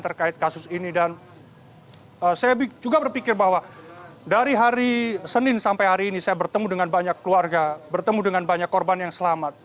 terkait kasus ini dan saya juga berpikir bahwa dari hari senin sampai hari ini saya bertemu dengan banyak keluarga bertemu dengan banyak korban yang selamat